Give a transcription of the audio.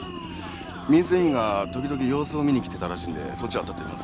民生委員が時々様子を見にきてたらしいんでそっちを当たってみます。